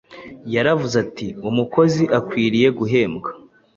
yaravuze ati: “Umukozi akwiriye guhembwa”